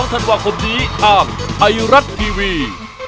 ๑๑๓๐๒๒๐๐ทันวาคมนี้อาบไอรัตท์ทีวี